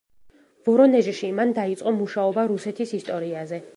ვორონეჟში მან დაიწყო მუშაობა „რუსეთის ისტორიაზე“.